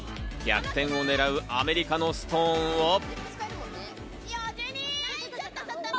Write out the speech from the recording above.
逆転をねらうアメリカのストーンを。